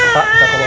pak kita ke mama